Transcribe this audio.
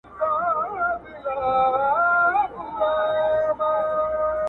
• زه چي کله دېوانه سوم فرزانه سوم..